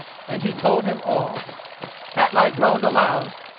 and he told him all. Atli groaned aloud.